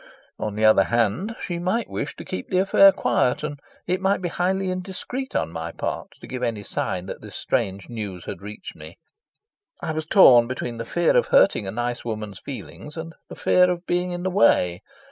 On the other hand, she might wish to keep the affair quiet, and it might be highly indiscreet on my part to give any sign that this strange news had reached me. I was torn between the fear of hurting a nice woman's feelings and the fear of being in the way.